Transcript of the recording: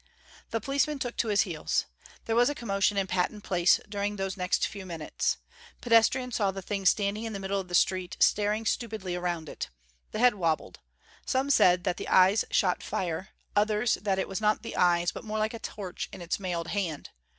The policeman took to his heels. There was a commotion in Patton Place during those next few minutes. Pedestrians saw the thing standing in the middle of the street, staring stupidly around it. The head wobbled. Some said that the eyes shot fire; others, that it was not the eyes, but more like a torch in its mailed hand.